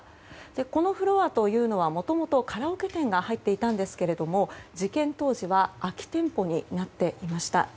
このフロアというのはもともとカラオケ店が入っていたんですけれども事件当時は空き店舗になっていました。